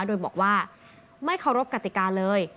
โดยบอกว่าไม่เคารพกติกาเลย